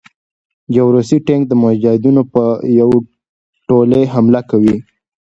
يو روسي ټېنک د مجاهدينو په يو ټولې حمله کوي